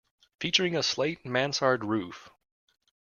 Featuring a slate mansard roof.